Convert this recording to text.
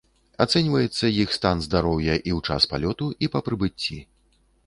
Ацэньваецца іх стан здароўя і ў час палёту, і па прыбыцці.